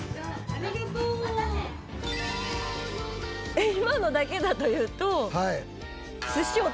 えっ今のだけだと言うと。